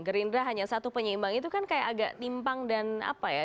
gerindra hanya satu penyeimbang itu kan kayak agak timpang dan apa ya